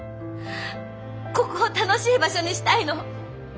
ここを楽しい場所にしたいの。